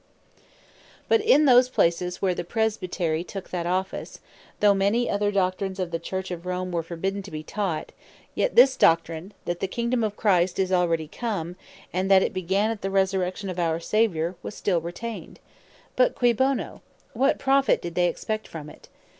And Maintained Also By The Presbytery But in those places where the Presbytery took that Office, though many other Doctrines of the Church of Rome were forbidden to be taught; yet this Doctrine, that the Kingdome of Christ is already come, and that it began at the Resurrection of our Saviour, was still retained. But Cui Bono? What Profit did they expect from it?